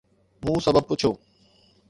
مون سبب پڇيو.